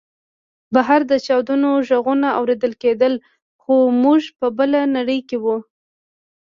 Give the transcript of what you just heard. بهر د چاودنو غږونه اورېدل کېدل خو موږ په بله نړۍ کې وو